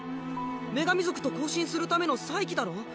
女神族と交信するための祭器だろ？